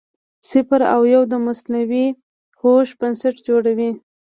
صفر او یو د مصنوعي هوښ بنسټ جوړوي.